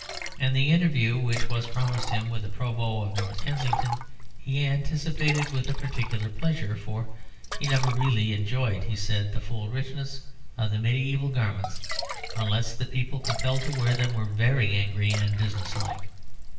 And the interview which was promised him with the Provost of North Kensington he anticipated with a particular pleasure, for "he never really enjoyed," he said, "the full richness of the mediæval garments unless the people compelled to wear them were very angry and business like."